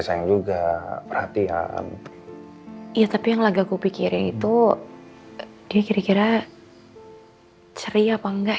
sayang juga perhatian iya tapi yang lagaku pikirin itu dia kira kira ceria apa enggak